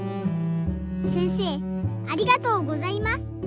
せんせいありがとうございます。